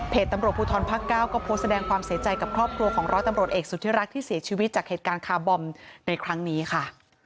ตำรวจภูทรภาคเก้าก็โพสต์แสดงความเสียใจกับครอบครัวของร้อยตำรวจเอกสุธิรักษ์ที่เสียชีวิตจากเหตุการณ์คาร์บอมในครั้งนี้ค่ะ